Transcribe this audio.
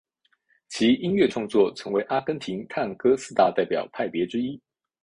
其音乐创作成为阿根廷探戈四大代表派别之一。